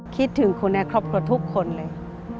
คิดถึงคนในครอบครัวทุกคนเลย